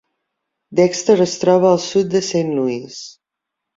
Dexter es troba al sud de Saint Louis.